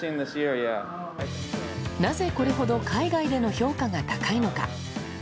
なぜこれほど海外での評価が高いのか。